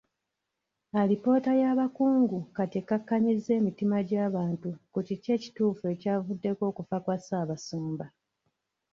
Alipoota y'abakungu kati ekkakkanyizza emitima gy'abantu ku kiki ekituufu ekyavuddeko okufa kwa Ssaabasumba.